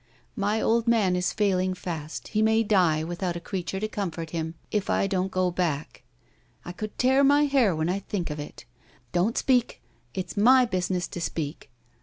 My old man is failing fast; he may die, without a creature to comfort him, if I don't go back. I could tear my hair when I think of it. Don't speak! It's my business to speak.